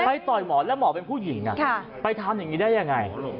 ต่อยหมอแล้วหมอเป็นผู้หญิงไปทำอย่างนี้ได้ยังไง